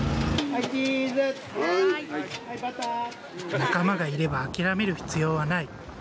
仲間がいれば諦める必要はない。